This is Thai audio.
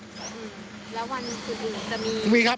แล้ววันคืบหยุดจะมีครับ